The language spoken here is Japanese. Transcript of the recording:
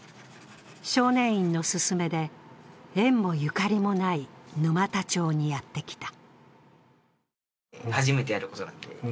少年院の勧めで、縁もゆかりもない沼田町にやってきた。